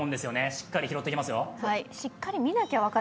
しっかり拾っていきますよ。